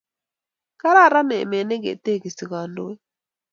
Kararan emet ne ketekisi kandoik